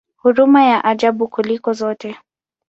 Huruma ya ajabu kuliko zote!